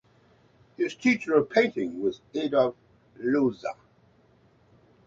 His teacher of painting was Adolf Loza.